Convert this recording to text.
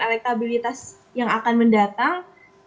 elektabilitas yang akan mendatang